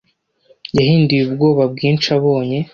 Yahinduye ubwoba bwinshi abonye